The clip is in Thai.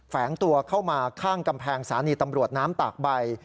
แฝงตัวเข้ามาข้างกำแพงสถานีตำรวจน้ำตากใบ